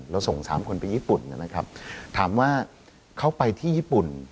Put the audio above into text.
เราส่งสามคนไปญี่ปุ่นนะครับถามว่าเขาไปที่ญี่ปุ่น